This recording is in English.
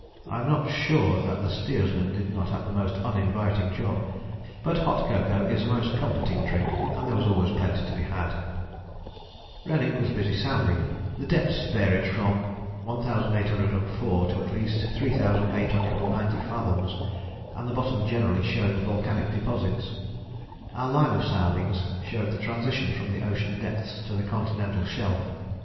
I am not sure that the steersman did not have the most uninviting job, but hot cocoa is a most comforting drink and there was always plenty to be had. Rennick was busy sounding. The depths varied from 1804 to at least 3890 fathoms, and the bottom generally showed volcanic deposits. Our line of soundings showed the transition from the ocean depths to the continental shelf.